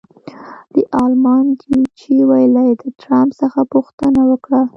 د المان ډویچې وېلې د ټرمپ څخه پوښتنه وکړه.